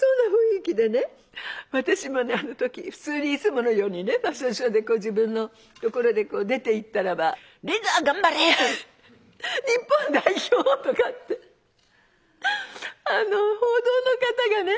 私もあの時普通にいつものようにねファッションショーで自分のところで出ていったらば「リンダ頑張れ日本代表！」とかって報道の方がね